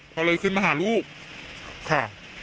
เขาเลยขึ้นมาหาลูกค่ะ